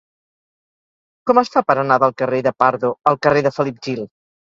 Com es fa per anar del carrer de Pardo al carrer de Felip Gil?